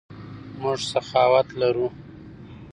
موږ سخاوت لرو.